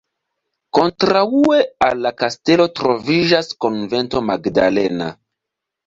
Kontraŭe al la kastelo troviĝas Konvento magdalena.